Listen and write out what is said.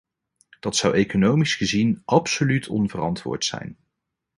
Dat zou economisch gezien absoluut onverantwoord zijn.